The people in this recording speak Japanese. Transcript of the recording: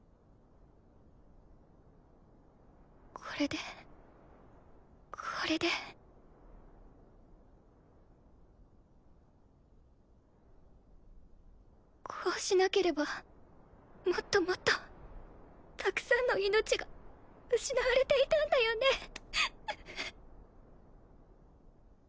これでこれでこうしなければもっともっとたくさんの命が失われていたんだよね